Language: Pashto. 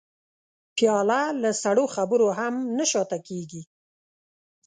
پیاله له سړو خبرو هم نه شا ته کېږي.